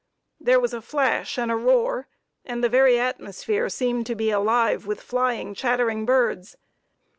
There was a flash and a roar, and the very atmosphere seemed to be alive with flying, chattering birds.